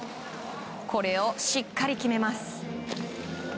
これをしっかり決めます。